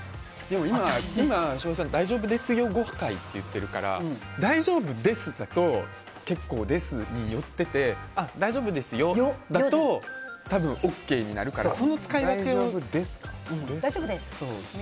今、翔平さん「大丈夫ですよ」誤解って言ってるから「大丈夫です」だと結構、「です」に寄ってて「大丈夫ですよ」だとＯＫになるから「大丈夫です」。